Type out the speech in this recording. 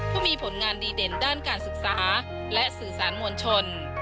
ผู้มีผลงานดีเด่นด้านการศึกษาและสื่อสารมวลชน